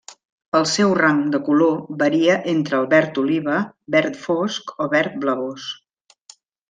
El seu rang de color varia entre el verd oliva, verd fosc o verd blavós.